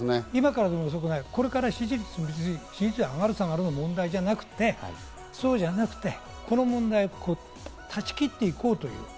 これから支持率、上がる下がるの問題じゃなくて、そうじゃなくて、この問題、断ち切って行こうという。